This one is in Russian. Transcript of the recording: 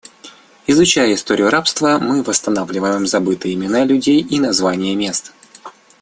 Изучая историю рабства, мы восстанавливаем забытые имена людей и названия мест.